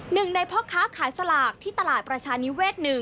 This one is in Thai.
หนึ่งในพ่อค้าขายสลากที่ตลาดประชานิเวศ๑